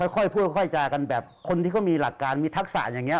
ค่อยพูดค่อยจากันแบบคนที่เขามีหลักการมีทักษะอย่างนี้